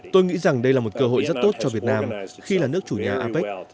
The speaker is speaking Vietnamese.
tôi nghĩ rằng đây là một cơ hội rất tốt cho việt nam khi là nước chủ nhà apec